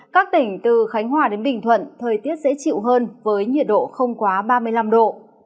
các tỉnh từ khánh hòa đến bình thuận thời tiết sẽ chịu hơn với nhiệt độ không quá ba mươi năm độ